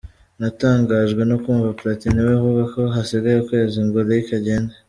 Natangajwe no kumva Platini we avuga ko hasigaye ukwezi ngo Lick agende.